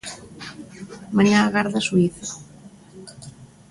Mañá agarda Suíza.